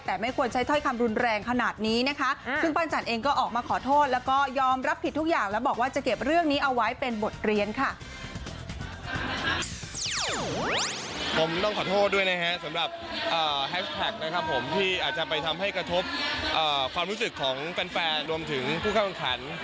ที่อาจจะไปทำให้กระทบความรู้สึกของแฟนรวมถึงผู้ข้ามังขัน